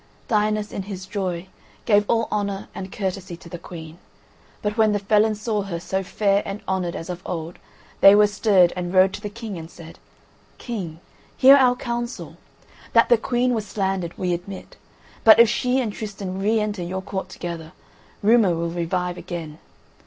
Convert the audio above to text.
Dinas, in his joy, gave all honour and courtesy to the Queen, but when the felons saw her so fair and honoured as of old, they were stirred and rode to the King, and said: "King, hear our counsel. That the Queen was slandered we admit, but if she and Tristan re enter your court together, rumour will revive again.